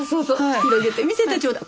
広げて見せてちょうだい。